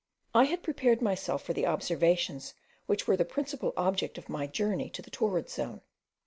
I had long prepared myself for the observations which were the principal object of my journey to the torrid zone.